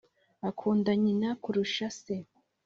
• akunda nyina kurusha se.